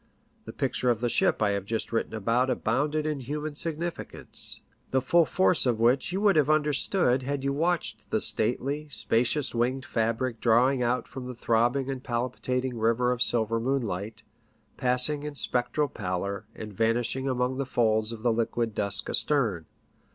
The picture of the ship I have just written about abounded in human significance, the full force of which you would have understood had you watched the stately, spacious winged fabric drawing out from the throbbing and palpitating river of silver moonlight, passing in spectral pallor, and vanishing among the folds of the liquid dusk astern.